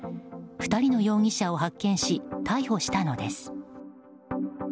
２人の容疑者を発見し逮捕したのです。